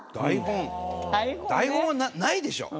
台本はないでしょ？